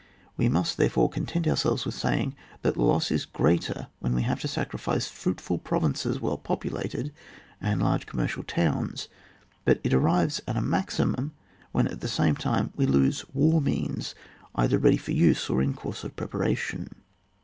We must, therefore, content ourselves with saying that the loss is greater when we have to sacrifice fruitful provinces well populated, and large commercial towns ; but it arrives at a maximum when at the same time we lose war means either ready for use or in course of preparation.